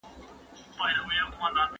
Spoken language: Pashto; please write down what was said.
د پانګي تولید اقتصاد پیاوړی کوي.